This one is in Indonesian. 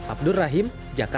abdur rahim jakarta